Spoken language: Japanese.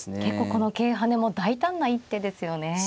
結構この桂跳ねも大胆な一手ですよね。